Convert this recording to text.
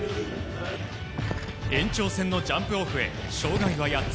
延長戦のジャンプオフへ障害は８つ。